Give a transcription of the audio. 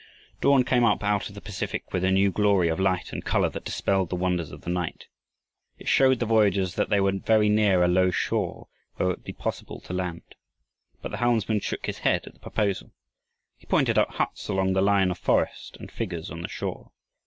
Dawn came up out of the Pacific with a new glory of light and color that dispelled the wonders of the night. It showed the voyagers that they were very near a low shore where it would be possible to land. But the helmsman shook his head at the proposal. He pointed out huts along the line of forest and figures on the shore.